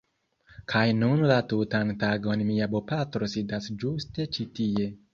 Kaj nun la tutan tagon mia bopatro sidas ĝuste ĉi tie